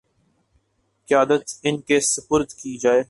قیادت ان کے سپرد کی جائے